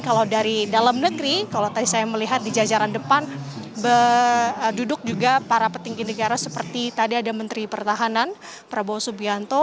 kalau dari dalam negeri kalau tadi saya melihat di jajaran depan duduk juga para petinggi negara seperti tadi ada menteri pertahanan prabowo subianto